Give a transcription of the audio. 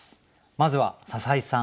まずは篠井さん